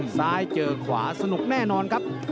ซ้ายเจอขวาสนุกแน่นอนครับ